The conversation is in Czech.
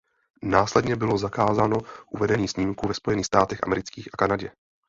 Následně bylo zakázáno uvedení snímku ve Spojených státech amerických a Kanadě.